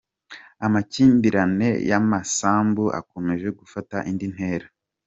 Amakimbirane y’amasambu akomeje gufata indi ntera